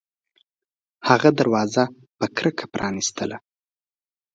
هغه دروازه په کرکه پرانیستله